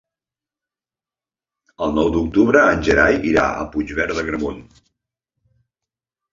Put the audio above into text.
El nou d'octubre en Gerai irà a Puigverd d'Agramunt.